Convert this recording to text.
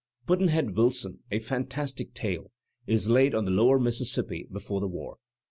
"Pudd'nhead WUson," a fantastic tale, is laid on the lower Mississippi before the war.